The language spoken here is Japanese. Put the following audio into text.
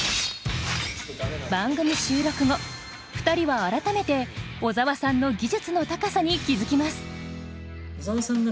番組収録後２人は改めて小沢さんの技術の高さに気付きます。